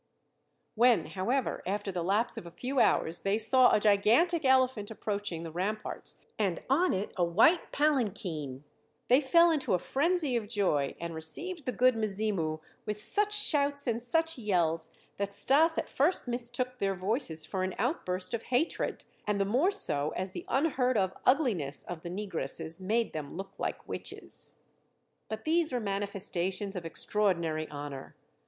When, however, after the lapse of a few hours they saw a gigantic elephant approaching the ramparts and on it a white palanquin, they fell into a frenzy of joy and received the "Good Mzimu," with such shouts and such yells that Stas at first mistook their voices for an outburst of hatred, and the more so as the unheard of ugliness of the negresses made them look like witches. But these were manifestations of extraordinary honor.